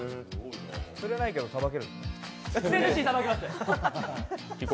釣れないけど、さばけるの？